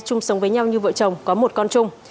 chung sống với nhau như vợ chồng có một con chung